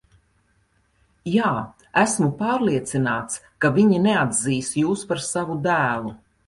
Jā, esmu pārliecināts, ka viņi neatzīs jūs par savu dēlu.